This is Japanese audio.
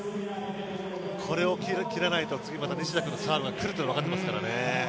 これを決めきれないと、また次に西田君のサーブが来ることは分かっていますからね。